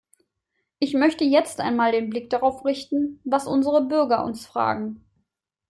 Ich möchte jetzt einmal den Blick darauf richten, was unsere Bürger uns fragen.